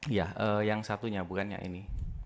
iya yang satunya bukan yang ini